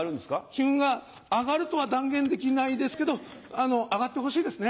金運が上がるとは断言できないですけど上がってほしいですね